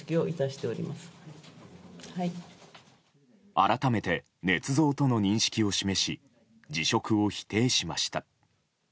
改めて、ねつ造との認識を示し辞職を否定しました。